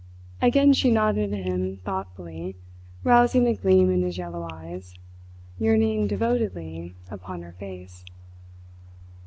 Again she nodded at him thoughtfully, rousing a gleam in his yellow eyes, yearning devotedly upon her face.